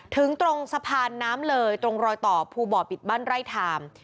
ถึงตรงสะพานน้ำเลยตรงรอยต่อภูบ่อปิดบ้านไร่ทาม